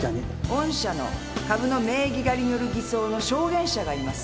御社の株の名義借りによる偽装の証言者がいます。